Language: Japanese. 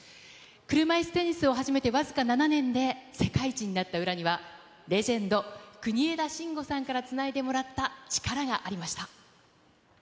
車いすテニスを始めて僅か７年で世界一になった裏には、レジェンド、国枝慎吾さんからつないでもらった力がありました。